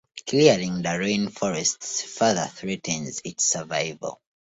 Clearing the rain forests further threatens its survival.